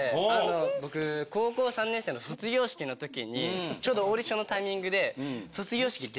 僕高校３年生の卒業式の時にちょうどオーディションのタイミングで。